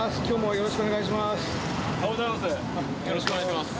よろしくお願いします。